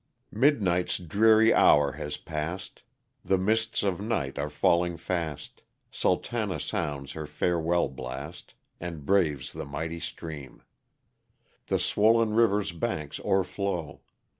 Midnight's dreary hour has past, The mists of night are falling fast. Sultana sounds her farewell blast. And braves the mighty stream ; The swollen river's banks o'erflow.